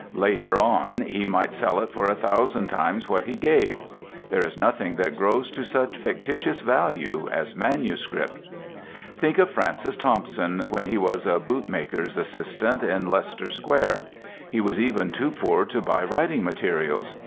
Later on he might sell it for a thousand times what he gave. There is nothing that grows to such fictitious value as manuscript. Think of Francis Thompson, when he was a bootmaker's assistant in Leicester Square. He was even too poor to buy writing materials.